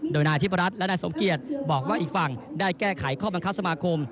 โดยนายเทพรัฐและนายสมเกียจบอกว่าอีกฝั่งได้แก้ไขข้อบังคับสมาคม